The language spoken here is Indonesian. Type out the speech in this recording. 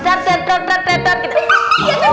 dar dar dar dar dar dar gitu